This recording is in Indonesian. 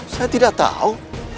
saya tidak tahu